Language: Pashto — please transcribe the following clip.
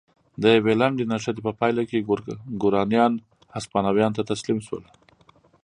د یوې لنډې نښتې په پایله کې ګورانیان هسپانویانو ته تسلیم شول.